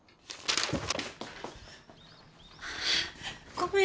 ごめん。